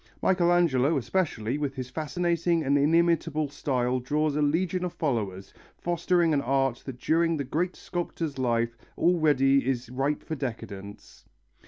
Michelangelo, especially, with his fascinating and inimitable style draws a legion of followers, fostering an art that during the great sculptor's life already is ripe for decadence.